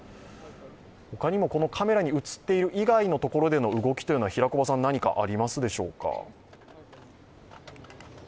他にもカメラに映っている以外の動きは何かありますでしょうか？